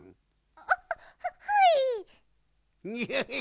あははい。